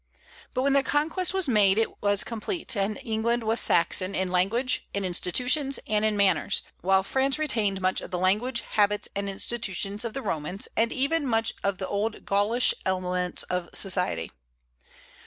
But when the conquest was made it was complete, and England was Saxon, in language, in institutions, and in manners; while France retained much of the language, habits, and institutions of the Romans, and even of the old Gaulish elements of society.